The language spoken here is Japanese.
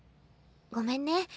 ごめんね。